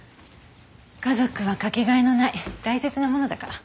家族は掛け替えのない大切なものだから。